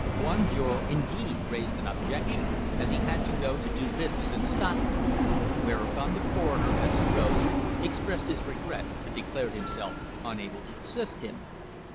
One juror, indeed, raised an objection, as he had to go to do business in Scotland. Whereupon the coroner, as he rose, expressed his regret but declared himself unable to assist him.